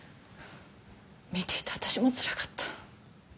見ていて私もつらかった。